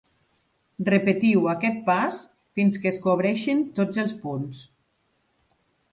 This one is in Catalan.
Repetiu aquest pas fins que es cobreixin tots els punts.